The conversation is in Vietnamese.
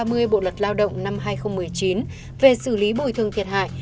đối với điều năm trăm chín mươi bảy bộ luật lao động năm hai nghìn một mươi chín về xử lý bồi thường thiệt hại